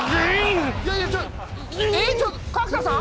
いやいやちょえっ角田さん？